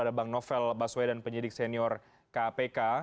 ada bang novel baswe dan penyidik senior kpk